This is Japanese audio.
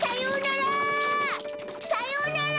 さようなら！